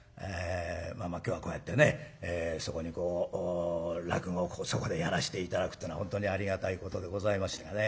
まあまあ今日はこうやってねそこにこう落語をそこでやらして頂くってのは本当にありがたいことでございましてね。